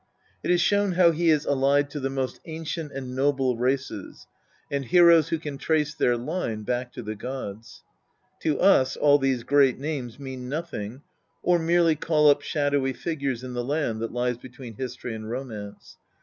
It is shown how he is allied to the most ancient and noble races, and heroes who can trace their line back to the gods. To us all these great names mean nothing, or merely call up shadowy figures in the land that lies between history and romance.